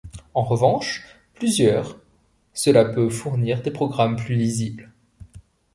En revanche plusieurs Cela peut fournir des programmes plus lisibles.